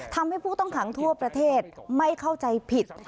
ทำให้ผู้ต้องขังทั่วประเทศไม่เข้าใจผิด